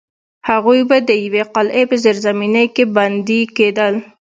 هغوی به د یوې قلعې په زیرزمینۍ کې بندي کېدل.